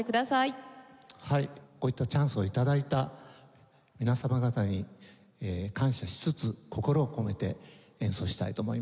こういったチャンスを頂いた皆様方に感謝しつつ心を込めて演奏したいと思います。